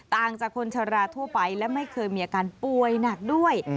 ต่างจากคนชะลาทั่วไปและไม่เคยมีอาการป่วยหนักด้วย